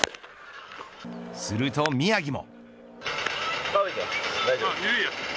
すると宮城も。